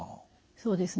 そうですね。